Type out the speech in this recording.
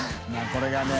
これがね。